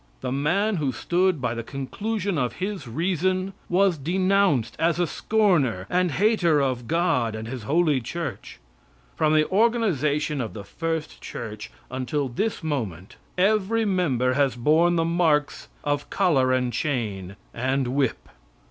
The man who stood by the conclusion of his reason was denounced as a scorner and hater of God and his holy church. From the organization of the first church until this moment every member has borne the marks of collar and chain, and whip.